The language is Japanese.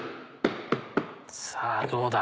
さぁどうだ？